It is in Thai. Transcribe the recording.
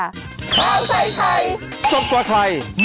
อันตรายค่ะ